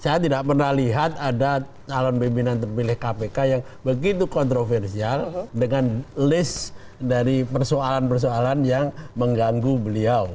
saya tidak pernah lihat ada calon pimpinan terpilih kpk yang begitu kontroversial dengan list dari persoalan persoalan yang mengganggu beliau